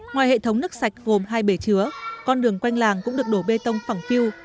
ngoài hệ thống nước sạch gồm hai bể chứa con đường quanh làng cũng được đổ bê tông phẳng phiêu